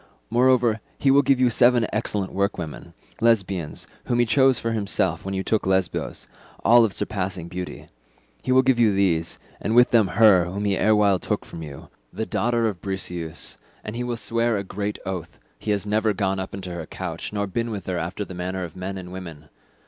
Moreover he will give you seven excellent workwomen, Lesbians, whom he chose for himself, when you took Lesbos—all of surpassing beauty. He will give you these, and with them her whom he erewhile took from you, the daughter of Briseus, and he will swear a great oath, he has never gone up into her couch nor been with her after the manner of men and women.